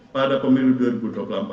pada pemilu dua ribu dua puluh empat